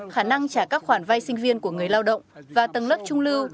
khả năng trả các khoản vay sinh viên của người lao động và tầng lớp trung lưu